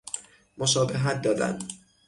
مشابهت دادن